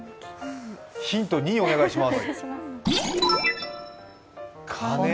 ヒント２、お願いします。